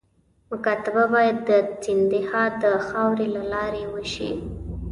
مکاتبه باید د سیندهیا د خاوري له لارې وشي.